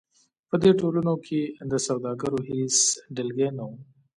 په دې ټولنو کې د سوداګرو هېڅ ډلګۍ نه وه.